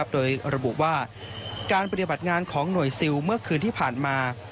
โดยระบุว่าการปฏิบัติงานของหน่วยซิลเมื่อคืนที่ผ่านมา